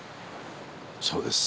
そうです。